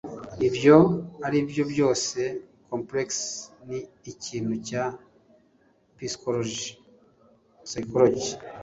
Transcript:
Ibyo aribyo byose,"complexe" ni ikintu cya psychologie/psychology,